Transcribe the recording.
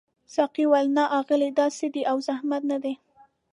ساقي وویل نه اغلې دا څه دي او زحمت نه دی.